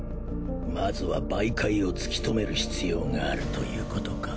まずは媒介を突き止める必要があるということか。